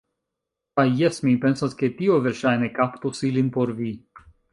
Kaj... jes, mi pensas ke tio verŝajne kaptos ilin por vi.